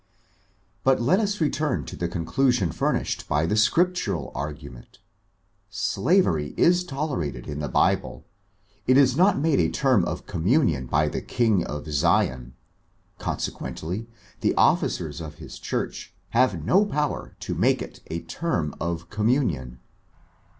I But let us return to the conclusion furnished by the Scriptural argument Slavery i% tolerated in the BibI I ' it is not made a term of conmiunioii by the Ring of Zion, consequently, the officers of his Church have no power to make it a term of communion.